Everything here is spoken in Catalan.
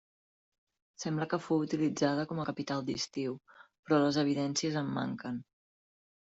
Sembla que fou utilitzada com a capital d'estiu, però les evidencies en manquen.